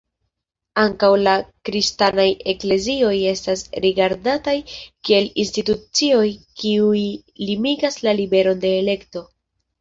Ankaŭ la kristanaj eklezioj estas rigardataj kiel institucioj kiuj limigas la liberon de elekto.